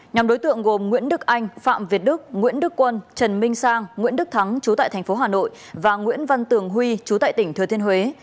nhóm đối tượng gồm nguyễn đức anh phạm việt đức nguyễn đức quân trần minh sang nguyễn đức thắng chú tại thành phố hà nội và nguyễn văn tường huy chú tại tỉnh thừa thiên huế